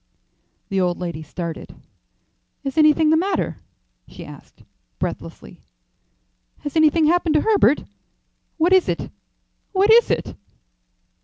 '" The old lady started. "Is anything the matter?" she asked, breathlessly. "Has anything happened to Herbert? What is it? What is it?"